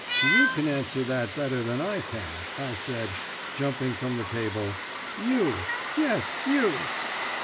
"'You can answer that better than I can,' I said, jumping from the table; 'You; yes, you!'